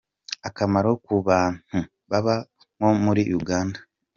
Akamaro ku bantu baba nko muri Uganda:.